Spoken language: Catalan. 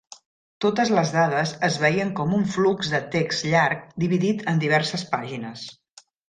Totes les dades es veien com un "flux" de text llarg dividit en diverses pàgines.